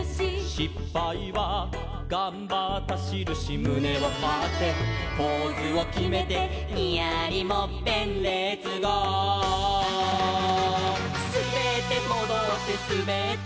「しっぱいはがんばったしるし」「むねをはってポーズをきめて」「ニヤリもっぺんレッツゴー！」「すべってもどってすべってもどって」